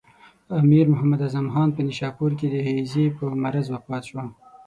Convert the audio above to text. امیر محمد اعظم خان په نیشاپور کې د هیضې په مرض وفات شو.